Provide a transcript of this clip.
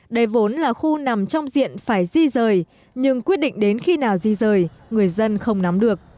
đây vốn là khu nằm trong diện phải di rời nhưng quyết định đến khi nào di rời người dân không nắm được